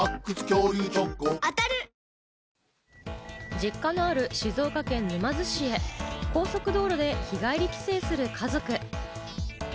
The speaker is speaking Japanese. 実家のある静岡県沼津市へ高速道路で日帰り帰省する家族。